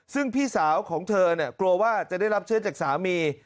ซึ่งพี่สาวของเธอเนี่ยกลัวว่าจะได้รับเชื้อจากสามี